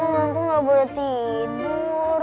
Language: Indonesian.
aku ngantuk gak boleh tidur